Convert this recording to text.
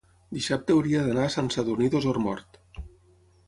dissabte hauria d'anar a Sant Sadurní d'Osormort.